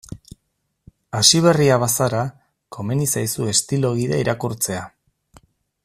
Hasiberria bazara, komeni zaizu estilo gida irakurtzea.